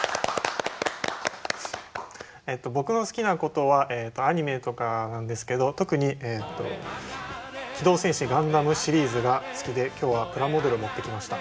えっと僕の好きなことはアニメとかなんですけど特に「機動戦士ガンダム」シリーズが好きで今日はプラモデルを持ってきました。